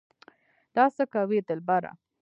دا څه کوې دلبره